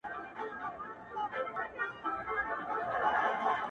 o گرانه اخنده ستا خـبري خو؛ خوږې نـغمـې دي؛